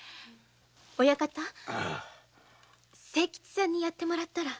親方清吉さんにやってもらったら。